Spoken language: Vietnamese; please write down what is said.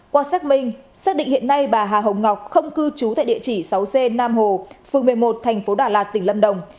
qua xác minh xác định hiện nay bà hà hồng ngọc không cư trú tại địa chỉ sáu c nam hồ phường một mươi một thành phố đà lạt tỉnh lâm đồng